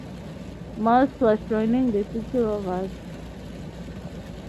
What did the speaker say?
Morse was joining the City Rovers.